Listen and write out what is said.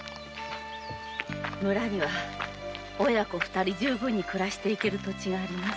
村には親子二人十分に暮らしてゆける土地があります。